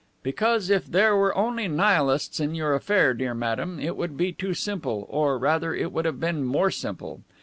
'?" "Because, if there were only Nihilists in your affair, dear madame, it would be too simple, or, rather, it would have been more simple.